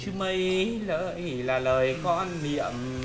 chữ mây lợi là lời con miệng